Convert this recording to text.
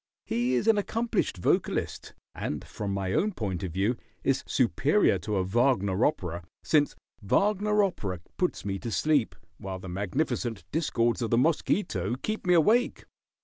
He is an accomplished vocalist, and from my own point of view is superior to a Wagner opera, since Wagner opera puts me to sleep, while the magnificent discords of the mosquito keep me awake.